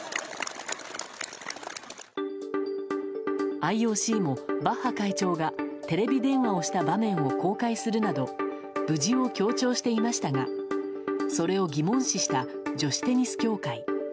ＩＯＣも、バッハ会長がテレビ電話をした場面を公開するなど無事を強調していましたがそれを疑問視した女子テニス協会。